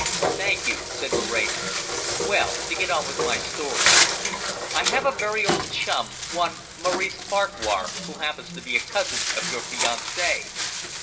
"Thank you," said Moreno. "Well, to get on with my story. I have a very old chum, one Maurice Farquhar who happens to be a cousin of your fiancee.